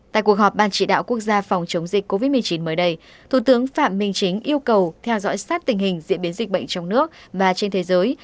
tại cuộc họp ban chỉ đạo quốc gia phòng chống dịch covid một mươi chín mới đây thủ tướng phạm minh chính yêu cầu theo dõi sát tình hình diễn biến dịch bệnh trong nước và trên thế giới